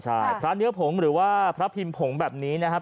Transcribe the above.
ใช่พระเนื้อผงหรือว่าพระพิมพ์ผงแบบนี้นะครับ